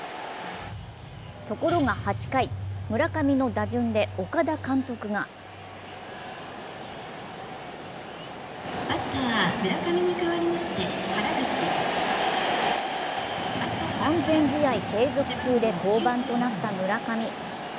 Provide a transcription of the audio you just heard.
ところが８回、村上の打順で岡田監督が完全試合継続中で降板となった村上。